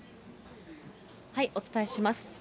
お伝えします。